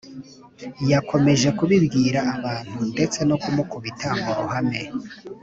yakomeje kubibwira babantu ndetse no kumukubita mu ruhame